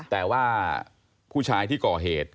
แต่ว่าผู้ชายที่ก่อเหตุ